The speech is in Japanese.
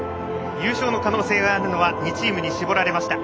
優勝の可能性があるのは２チームに絞られました。